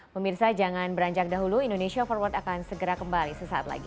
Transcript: pemirsa jangan beranjak dahulu indonesia forward akan segera kembali sesaat lagi